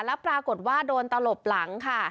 แล้วปรากฏว่าโดนตลบหลังค่ะ